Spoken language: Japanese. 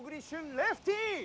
レフティー！